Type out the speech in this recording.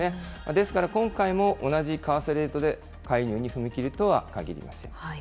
ですから今回も、同じ為替レートで介入に踏み切るとはかぎりません。